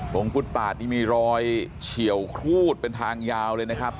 ฟุตปาดนี่มีรอยเฉียวครูดเป็นทางยาวเลยนะครับ